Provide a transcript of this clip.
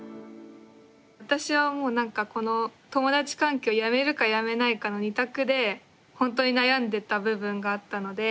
私はもうなんかこの友達関係をやめるかやめないかの２択でほんとに悩んでた部分があったので。